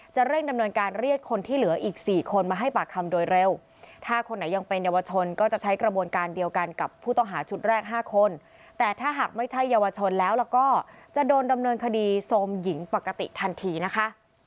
เร่งดำเนินการเรียกคนที่เหลืออีก๔คนมาให้ปากคำโดยเร็วถ้าคนไหนยังเป็นเยาวชนก็จะใช้กระบวนการเดียวกันกับผู้ต้องหาชุดแรก๕คนแต่ถ้าหากไม่ใช่เยาวชนแล้วแล้วก็จะโดนดำเนินคดีโทรมหญิงปกติทันทีนะคะ